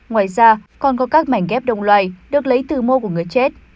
ngoài ra còn có các mảnh ghép đồng loài được lấy từ mô của người chết